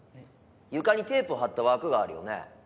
床にテープを貼った枠があるよね。